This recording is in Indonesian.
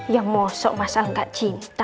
yang m barbecue mas al gak cinta